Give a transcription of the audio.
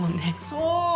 そう。